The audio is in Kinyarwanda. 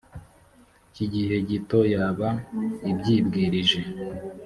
cy igihe gito yaba ibyibwirije